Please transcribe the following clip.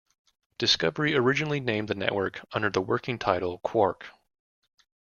Discovery originally named the network under the working title Quark!